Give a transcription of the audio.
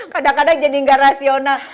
kadang kadang jadi nggak rasional